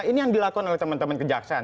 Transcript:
ini yang dilakukan oleh teman teman kejaksaan